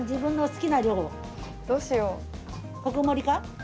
どうしよう。